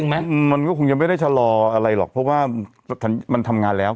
ไหมมันก็คงยังไม่ได้ชะลออะไรหรอกเพราะว่ามันทำงานแล้ว